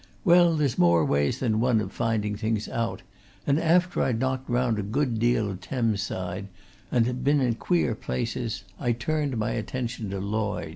Well, there's more ways than one of finding things out, and after I'd knocked round a good deal of Thames' side, and been in some queer places, I turned my attention to Lloyds.